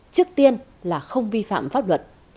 trước tiên là không vi phạm pháp luật